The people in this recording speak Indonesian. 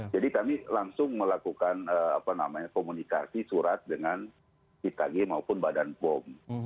jadi kami langsung melakukan komunikasi surat dengan pitg maupun badan pom